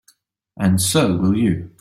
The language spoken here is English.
And so will you.